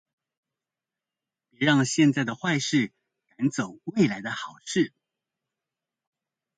別讓現在的壞事趕走未來的好事